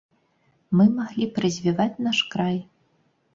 Мы маглі б развіваць наш край.